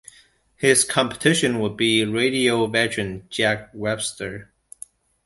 His competition would be radio veteran Jack Webster.